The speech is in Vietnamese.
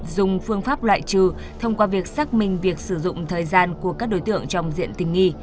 dùng phương pháp loại trừ thông qua việc xác minh việc sử dụng thời gian của các đối tượng trong diện tình nghi